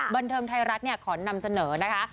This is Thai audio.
บันเทิงไทยรัฐขอนำเสนอนะคะ